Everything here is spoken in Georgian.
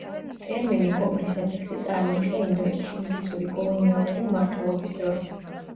ტერმინი „კობრის ეფექტი“ წარმოიშვა ინდოეთში, ინგლისური კოლონიალური მმართველობის დროს.